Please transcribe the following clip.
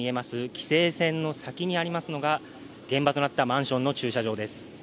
規制線の先にありますのが現場となったマンションの駐車場です。